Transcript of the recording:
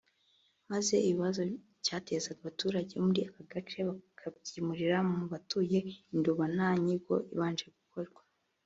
maze ibibazo cyatezaga abaturage bo muri aka gace bukabyimurira mu batuye i Nduba nta nyigo ibanje gukorwa